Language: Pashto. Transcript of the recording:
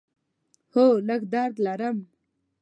هو، لږ درد لرم